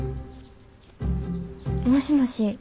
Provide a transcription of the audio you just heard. もしもし。